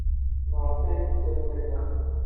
Maɣef ay tettarum akka?